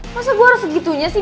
maksudnya gue harus segitunya sih